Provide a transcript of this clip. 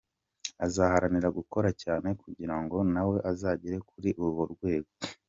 Azaharanira gukora cyane kugira ngo nawe azagere kuri urwo rwego.